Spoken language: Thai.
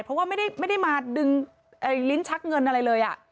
เพราะว่าไม่ได้มาดึงลิ้นชักเงินอะไรเลย